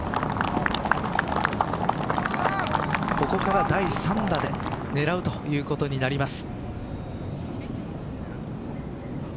ここから第３打で狙うということになります。